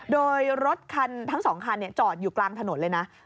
โดยรถคันทั้ง๒คันจอดอยู่กลางถนนเลยนะ